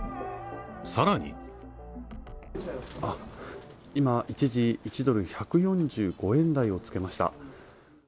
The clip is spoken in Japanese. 更に今、一時、１ドル＝１４５円台をつけました。